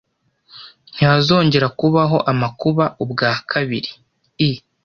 Ntihazongera kubaho amakuba ubwa kabiri i